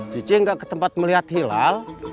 cici nggak ke tempat melihat hilal